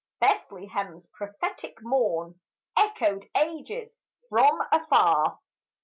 Bethlehem's prophetic morn Echoed ages from afar.